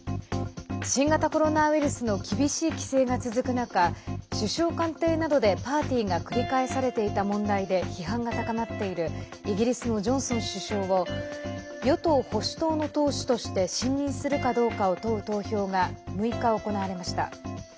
新型コロナウイルスの厳しい規制が続く中首相官邸などでパーティーが繰り返されていた問題で批判が高まっているイギリスのジョンソン首相を与党保守党の党首として信任するかどうかを問う投票が６日、行われました。